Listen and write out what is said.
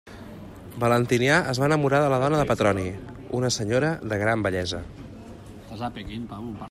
Valentinià es va enamorar de la dona de Petroni, una senyora de gran bellesa.